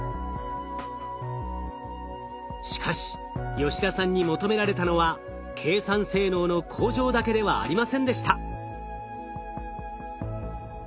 しかし吉田さんに求められたのは計算性能の向上だけではありませんでした。